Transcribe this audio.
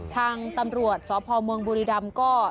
ทางตำรวจสมบุรีดำก็